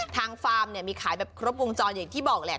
ฟาร์มเนี่ยมีขายแบบครบวงจรอย่างที่บอกแหละ